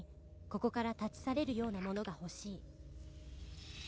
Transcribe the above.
「ここから立ち去れるようなものが欲しい」